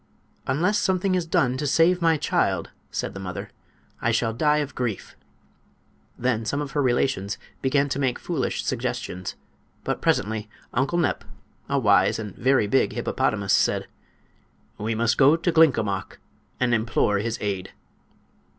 "Unless something is done to save my child," said the mother, "I shall die of grief." Then some of her relations began to make foolish suggestions; but presently Uncle Nep, a wise and very big hippopotamus, said: "We must go to Glinkomok and implore his aid."